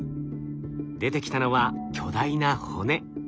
出てきたのは巨大な骨。